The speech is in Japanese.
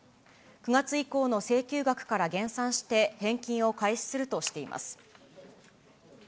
９月以降の請求額から減算して返金を開始するとしています。